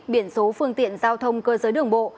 biển số phương tiện giao thông cơ giới đường bộ